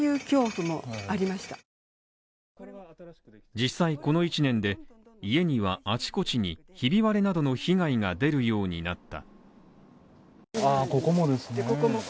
実際この１年で家にはあちこちにひび割れなどの被害が出るようになった。